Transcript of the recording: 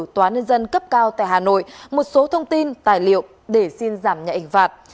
tòa nhân dân cấp cao tại hà nội một số thông tin tài liệu để xin giảm nhạy ảnh phạt